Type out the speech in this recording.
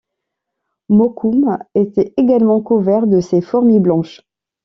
Mokoum était également couvert de ces fourmis blanches.